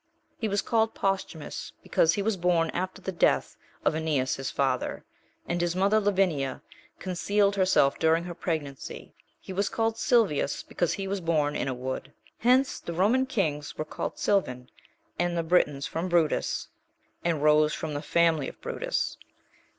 He was called Posthumus because he was born after the death of Aeneas his father; and his mother Lavinia concealed herself during her pregnancy; he was called Silvius, because he was born in a wood. Hence the Roman kings were called Silvan, and the Britons from Brutus, and rose from the family of Brutus.